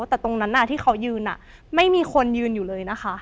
แต่ตรงนั้นที่เขายืนไม่มีคนยืนอยู่เลยนะคะ